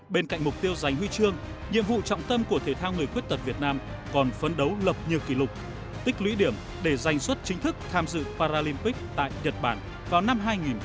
bên cạnh mục tiêu giành huy chương nhiệm vụ trọng tâm của thể thao người khuyết tật việt nam còn phấn đấu lập như kỷ lục tích lũy điểm để giành xuất chính thức tham dự paralympic tại nhật bản vào năm hai nghìn hai mươi